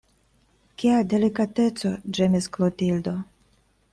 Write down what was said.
Kia delikateco, ĝemis Klotildo.